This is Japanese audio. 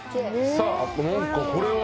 さあこれは？